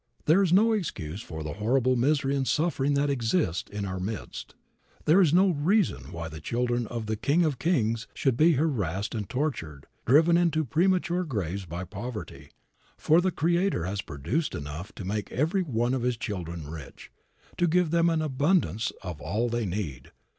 There is no excuse for the horrible misery and suffering that exist in our midst. There is no reason why the children of the King of kings should be harassed and tortured, driven into premature graves by poverty, for the Creator has produced enough to make every one of His children rich, to give them an abundance of all they need.